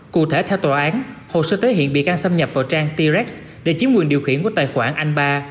cụ thể theo tòa án hồ sơ thể hiện bị can xâm nhập vào trang t rex để chiếm nguồn điều khiển của tài khoản anh ba